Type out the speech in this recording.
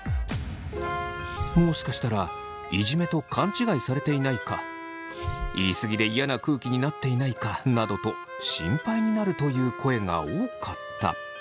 もしかしたらいじめと勘違いされていないか言い過ぎで嫌な空気になっていないかなどと心配になるという声が多かった。